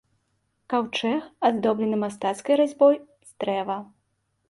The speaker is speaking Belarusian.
Каўчэг аздоблены мастацкай разьбой з дрэва.